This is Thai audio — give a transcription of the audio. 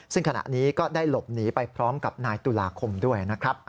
ซึ่งขณะนี้ก็ได้หลบหนีไปพร้อมกับนายตุลาคมด้วยนะครับ